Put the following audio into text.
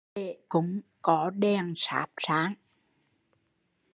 Lễ cúng có đèn sáp sáng